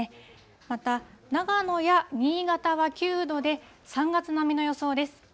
また、長野や新潟は９度で、３月並みの予想です。